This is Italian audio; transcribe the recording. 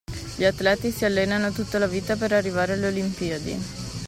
Gli atleti si allenano tutta la vita per arrivare alle Olimpiadi.